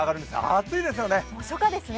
暑いですよね。